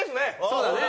そうだね。